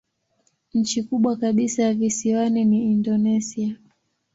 Nchi kubwa kabisa ya visiwani ni Indonesia.